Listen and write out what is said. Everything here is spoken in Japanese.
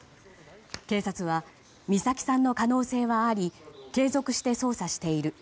警察は、美咲さんの可能性はあり継続して捜査している。